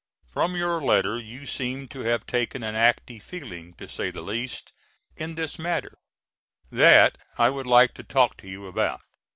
From your letter you seem to have taken an active feeling, to say the least, in this matter, that I would like to talk to you about.